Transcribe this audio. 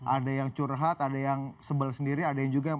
ada yang curhat ada yang sebel sendiri ada yang juga